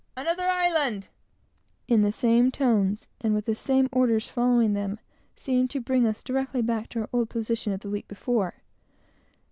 "Another island!" in the same tones, and with the same orders following them, seemed to bring us directly back to our old position of the week before.